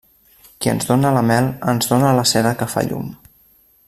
Qui ens dóna la mel, ens dóna la cera que fa llum.